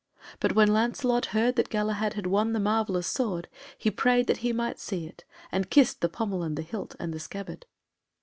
But when Lancelot heard that Galahad had won the marvellous sword he prayed that he might see it, and kissed the pommel and the hilt, and the scabbard.